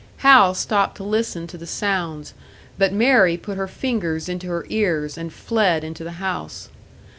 Hal stopped to listen to the sounds, but Mary put her fingers into her ears and fled into the house.